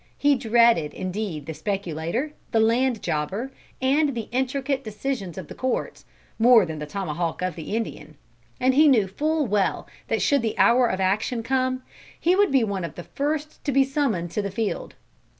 He dreaded indeed the speculator, the land jobber, and the intricate decisions of courts, more than the tomahawk of the Indian. And he knew full well that should the hour of action come, he would be one of the first to be summoned to the field.